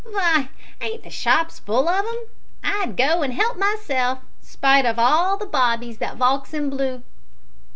"Vy, ain't the shops full of 'em? I'd go an help myself, spite of all the bobbies that valks in blue."